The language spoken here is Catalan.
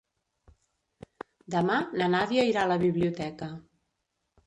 Demà na Nàdia irà a la biblioteca.